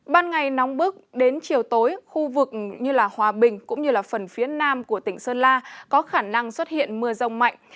ban ngày nóng bức đến chiều tối khu vực như hòa bình cũng như phần phía nam của tỉnh sơn la có khả năng xuất hiện mưa rông mạnh